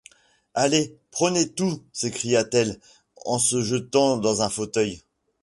Allez, prenez tout, s’écria-t-elle, en se jetant dans un fauteuil.